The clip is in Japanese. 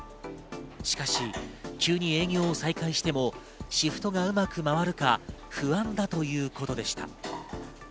しかし、急に営業を再開しても、シフトがうまく回るか不安だということでした。